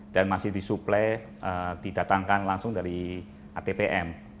dan masih disuplai didatangkan langsung dari atpm